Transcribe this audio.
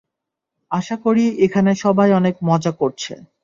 আশাকরি এখানে সবাই অনেক মজা করছে।